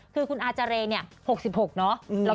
คือคุณอาจารย์เนี่ย๖๖เนาะ